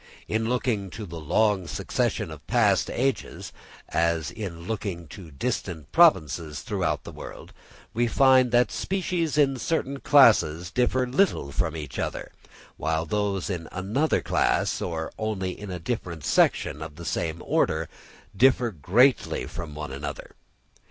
In looking to the long succession of past ages, as in looking to distant provinces throughout the world, we find that species in certain classes differ little from each other, whilst those in another class, or only in a different section of the same order, differ greatly from each other.